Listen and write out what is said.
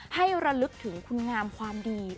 ระลึกถึงคุณงามความดี